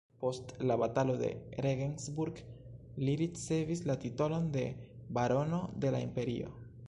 Post la Batalo de Regensburg li ricevis la titolon de barono de la imperio.